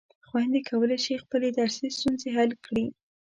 خویندې کولای شي خپلې درسي ستونزې حل کړي.